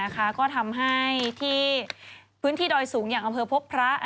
ก็ทำให้ที่พื้นที่ดอยสูงอย่างอำเภอพบพระ